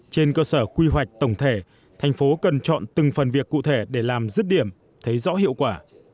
trên cơ sở quy hoạch tổng thể thành phố cần chọn từng phần việc cụ thể để làm dứt điểm thấy rõ hiệu quả